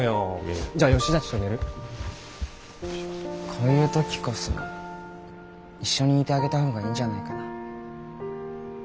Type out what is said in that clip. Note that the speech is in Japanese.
こういう時こそ一緒にいてあげた方がいいんじゃないかな。